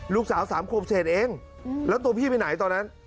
สามขวบเศษเองแล้วตัวพี่ไปไหนตอนนั้น